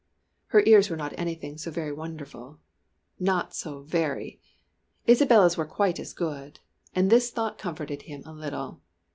Her ears were not anything so very wonderful! Not so very! Isabella's were quite as good and this thought comforted him a little.